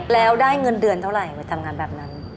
แล้วได้เงินเดือนเท่าไหร่ไปทำงานแบบนั้น